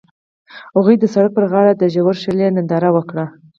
هغوی د سړک پر غاړه د ژور شعله ننداره وکړه.